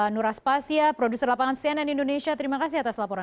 nuras pasya produser lapangan cnn indonesia terima kasih atas lapangan